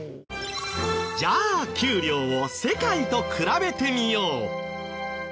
じゃあ給料を世界と比べてみよう。